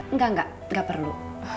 enggak enggak enggak perlu